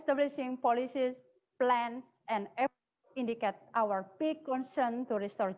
ya bisa kita pergi ke slide berikutnya tolong